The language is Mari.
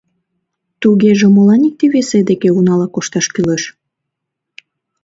Тугеже молан икте-весе деке унала кошташ кӱлеш?